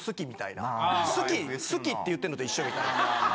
「好き」って言ってんのと一緒みたいな。